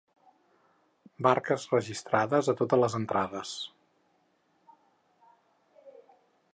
Marques registrades a totes les entrades.